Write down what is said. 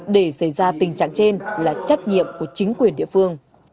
để xảy ra tình trạng trên là trách nhiệm của chính quyền địa phương